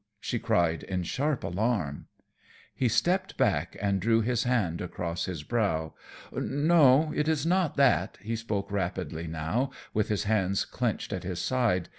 she cried in sharp alarm. He stepped back and drew his hand across his brow. "No, it is not that," he spoke rapidly now, with his hands clenched at his side.